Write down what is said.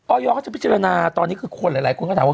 เขาจะพิจารณาตอนนี้คือคนหลายคนก็ถามว่า